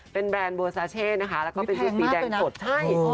เป็นแบรนด์เวอร์ซาเช่นะคะแล้วก็เป็นเสื้อสีแดงสดใช่